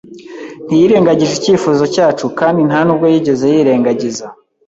Ntiyirengagije icyifuzo cyacu, kandi nta nubwo yigeze yirengagiza.